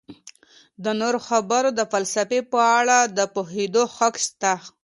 د نورو د خبرو د فلسفې په اړه د پوهیدو حق سته.